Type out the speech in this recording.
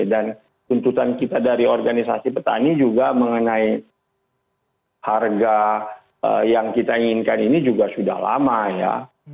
dan tuntutan kita dari organisasi petani juga mengenai harga yang kita inginkan ini juga sudah lama ya